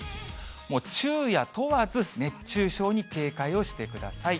もう昼夜問わず熱中症に警戒をしてください。